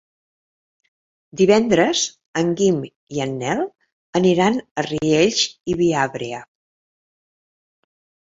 Divendres en Guim i en Nel aniran a Riells i Viabrea.